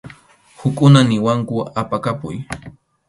Hukkuna niwanku apakapuy.